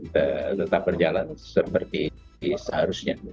tetap berjalan seperti seharusnya